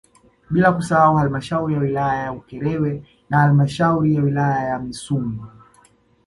Bila kusahau halmashauri ya wilaya ya Ukerewe na halmashauri ya wilaya ya Misungwi